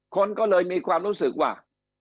คนก็เลยมีความรู้สึกว่า